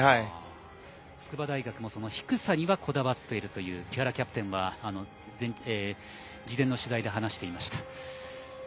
筑波大学も低さにはこだわっているという木原キャプテンは事前の取材で話していました。